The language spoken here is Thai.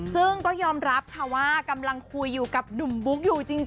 ซึ่งก็ยอมรับค่ะว่ากำลังคุยอยู่กับหนุ่มบุ๊กอยู่จริง